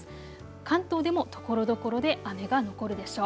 関東でも、ところどころで雨が残るでしょう。